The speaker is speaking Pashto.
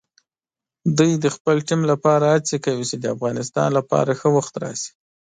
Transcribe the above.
دوی د خپل ټیم لپاره هڅې کوي چې د افغانستان لپاره ښه وخت راشي.